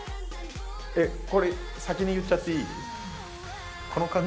これ先に言っちゃっていい？